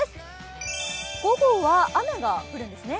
午後は雨が降るんですね？